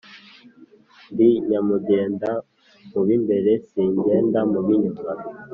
Ndi nyamugenda mu b’imbereSingenda mu b’inyuma